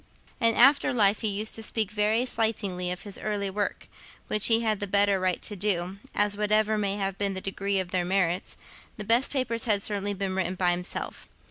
In after life he used to speak very slightingly of this early work, which he had the better right to do, as, whatever may have been the degree of their merits, the best papers had certainly been written by himself.